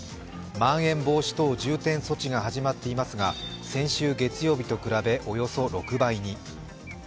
まん延防止等重点措置が始まっていますが、先週月曜日と比べおよそ６倍に。